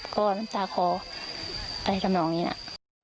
ก็ตาคออะไรทำหน่อยนี่นะ